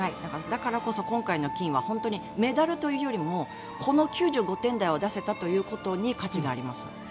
だからこそ今回の金はメダルというよりもこの９５点台を出せたことに価値があります。